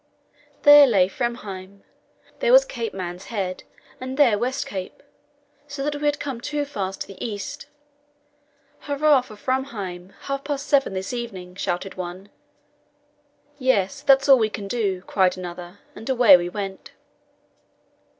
There lay Framheim, there was Cape Man's Head, and there West Cape, so that we had come too far to the east. "Hurrah for Framheim! half past seven this evening," shouted one. "Yes, that's all we can do," cried another; and away we went.